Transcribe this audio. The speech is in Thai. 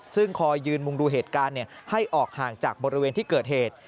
ซึ่งคอยยืนมุงดูเหตุการณ์ให้ออกห่างจากบริเวณที่เกิดเหตุ